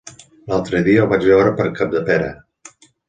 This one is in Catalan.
L'altre dia el vaig veure per Capdepera.